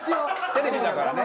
テレビだからね。